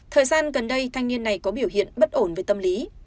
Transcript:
thời gian gần đây thanh niên này có biểu hiện bất ổn về tâm lý